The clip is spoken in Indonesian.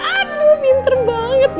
aduh pinter banget